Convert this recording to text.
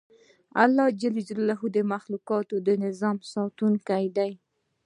الله ج د مخلوقاتو د نظام ساتونکی دی